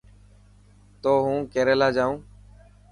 تون هون ڪيريلا جائون.